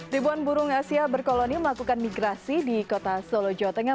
ribuan burung asia berkoloni melakukan migrasi di kota solo jawa tengah